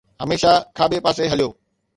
هميشه کاٻي پاسي هليو